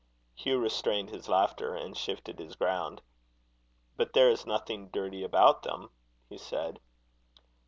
Hugh restrained his laughter, and shifted his ground. "But there is nothing dirty about them," he said.